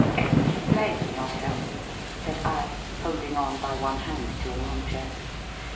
"Explain yourself," said I, holding on by one hand to an arm chair.